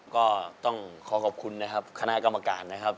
ก็ต้องขอขอบคุณนะครับคณะกรรมการนะครับ